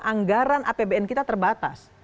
anggaran apbn kita terbatas